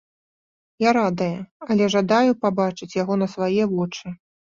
Я радая, але жадаю пабачыць яго на свае вочы.